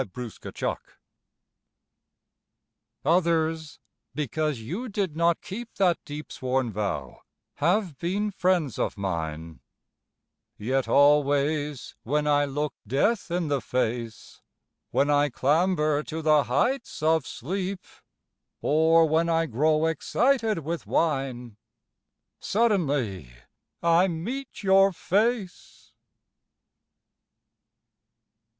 A DEEP SWORN VOW Others because you did not keep That deep sworn vow have been friends of mine; Yet always when I look death in the face, When I clamber to the heights of sleep, Or when I grow excited with wine, Suddenly I meet your face.